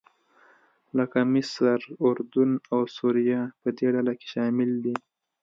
لکه مصر، اردن او سوریه په دې ډله کې شامل دي.